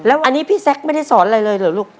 อันนี้พี่แซคไม่ได้สอนอะไรเลยเหรอลูก